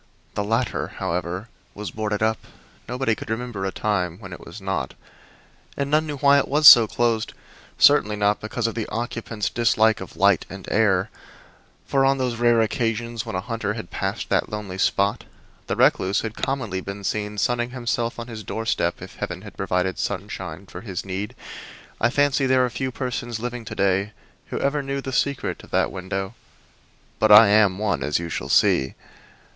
The latter, however, was boarded up nobody could remember a time when it was not. And none knew why it was so closed; certainly not because of the occupant's dislike of light and air, for on those rare occasions when a hunter had passed that lonely spot the recluse had commonly been seen sunning himself on his doorstep if heaven had provided sunshine for his need. I fancy there are few persons living to day who ever knew the secret of that window, but I am one, as you shall see.